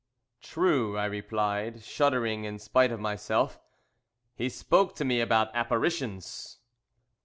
"True," I replied, shuddering, in spite of myself. "He spoke to me about apparitions."